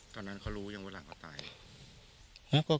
ตอนนั้นเขารู้อย่างเวลาเขาตายเหรอ